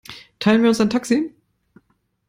Teilen wir uns ein Taxi?